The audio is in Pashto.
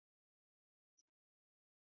د مېوو ونه کرل د راتلونکي لپاره سرمایه ده.